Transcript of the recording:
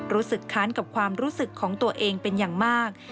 ค้านกับความรู้สึกของตัวเองเป็นอย่างมาก